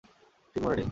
ঠিক মনে নেই।